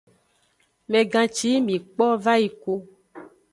Megan ci yi mi kpo vayi ku.